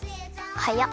はやっ。